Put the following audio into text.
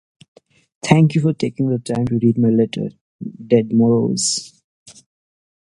Thank you for taking the time to read my letter, Ded Moroz.